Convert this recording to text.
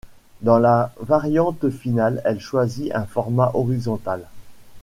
Dans la variante finale elle choisit un format horizontal.